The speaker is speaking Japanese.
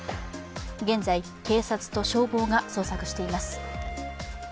現在、警察と消防が捜索しています。